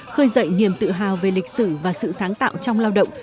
khơi dậy niềm tự hào về lịch sử và sự sáng tạo trong lao động